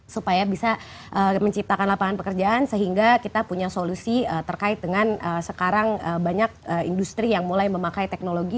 supaya bisa menciptakan lapangan pekerjaan sehingga kita punya solusi terkait dengan sekarang banyak industri yang mulai memakai teknologi